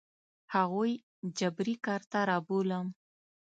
هغوی جبري کار ته رابولم.